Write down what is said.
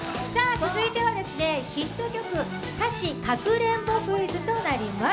続いては「ヒット曲歌詞かくれんぼクイズ」となります。